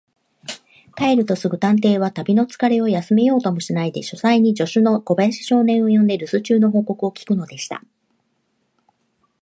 帰るとすぐ、探偵は旅のつかれを休めようともしないで、書斎に助手の小林少年を呼んで、るす中の報告を聞くのでした。